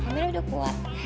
kamilah udah kuat